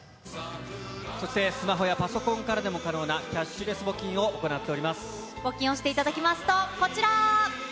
そしてスマホやパソコンからでも可能なキャッシュレス募金を募金をしていただきますと、こちら。